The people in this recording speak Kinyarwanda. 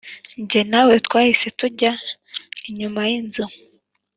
njye nawe twahise tujya inyuma yinzu